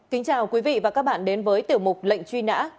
kính chào quý vị và các bạn đến với tiểu mục lệnh truy nã